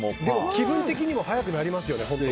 気分的にも速くなりますよね。